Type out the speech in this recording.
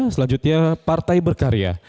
selanjutnya partai berkarya